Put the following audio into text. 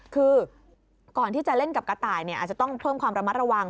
คือก่อนที่จะเล่นกับกระต่ายอาจจะต้องเพิ่มความระมัดระวัง